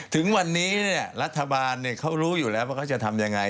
ถึงวันนี้รัฐบาลเขารู้อยู่แล้วว่าเขาจะทำยังไง